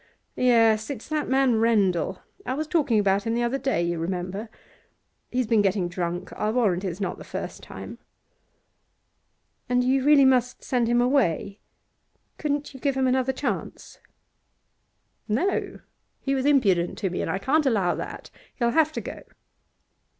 'Yes. It's that man Rendal; I was talking about him the other day, you remember. He's been getting drunk; I'll warrant it's not the first time.' 'And you really must send him away? Couldn't you give him another chance?' 'No. He was impudent to me, and I can't allow that. He'll have to go.